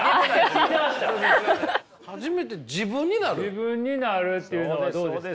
自分なるっていうのはどうですか。